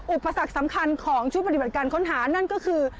อุปสรรคสำคัญของชุดปฏิบัติการค้นหานั่นก็คือ